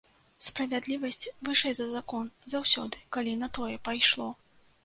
Справядлівасць вышэй за закон заўсёды, калі на тое пайшло.